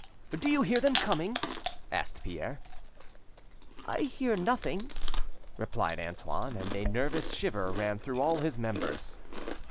"Do you hear them coming?" asked Pierre. "I hear nothing," replied Antoine, and a nervous shiver ran through all his members.